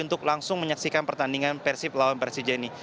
untuk langsung menyaksikan pertandingan persib lawan persija ini